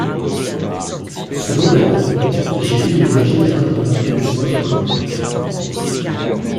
Selon la Bible, Jéhu est un général de l'armée du roi Joram.